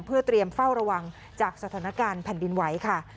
เพื่อเตรียมเฝ้าระวังจากสถานการณ์แผ่นดินไหวค่ะ